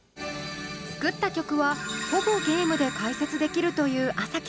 作った曲はほぼゲームで解説できるという４ｓ４ｋｉさん。